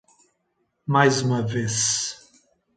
Mais uma vez.